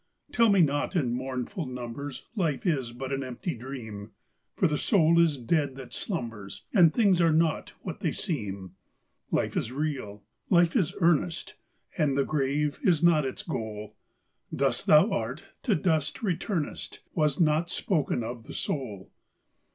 Tell me not, in mournful numbers, Life is but an empty dream! For the soul is dead that slumbers, And things are not what they seem. Life is real! Life is earnest! And the grave is not its goal; Dust thou art, to dust returnest, Was not spoken of the soul.